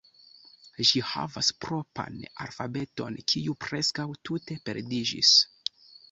Ĝi havas propran alfabeton, kiu preskaŭ tute perdiĝis.